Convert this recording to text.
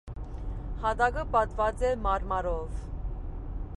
Հատակը պատված է մարմարով։